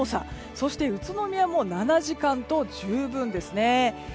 そして宇都宮も７時間と十分ですね。